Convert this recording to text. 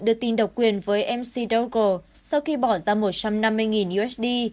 đưa tin độc quyền với mc dogo sau khi bỏ ra một trăm năm mươi usd